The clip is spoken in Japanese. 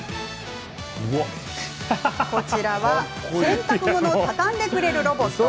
こちら洗濯物を畳んでくれるロボット。